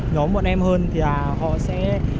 nhóm bọn em hơn thì họ sẽ